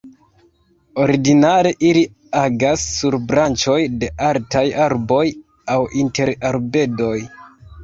Ordinare ili agas sur branĉoj de altaj arboj aŭ inter arbedoj.